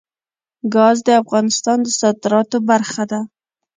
ګاز د افغانستان د صادراتو برخه ده.